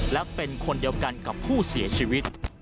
และเป็นคนเดียวกันกับผู้เสียชีวิต